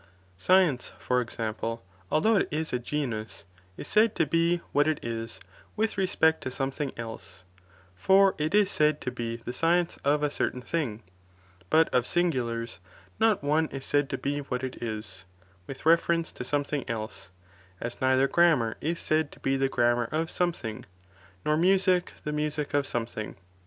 Sci Htie"^*' ^^*" ence, for example, although it is a genus, is said to be what it is, with respect to something else, for it is said to be the science of a certain thing, but of singulars not one is said to be what it is, with reference to something else, as neither grammar is said to be the grammar of something, nor music the music of something.